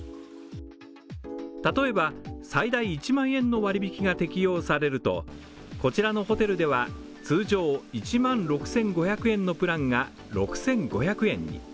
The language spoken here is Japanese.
例えば、最大１万円の割引が適用されるとこちらのホテルでは通常１万６５００円のプランが６５００円に。